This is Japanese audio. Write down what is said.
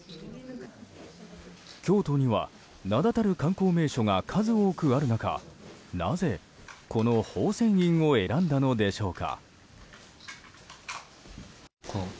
京都には名だたる観光名所が数多くある中なぜ、この宝泉院を選んだのでしょうか。